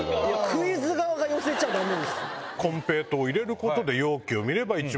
クイズ側が寄せちゃダメ。